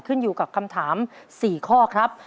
ขึ้นอยู่กับคำถาม๔ข้อครับ